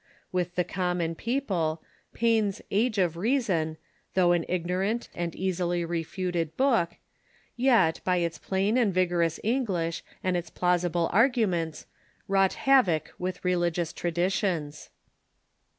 AYith the common people, Paine's " Age of Reason," though an ignorant and easily refuted book, yet, by its plain and vigorous English and its plausible arguments, wrought havoc with religious traditions.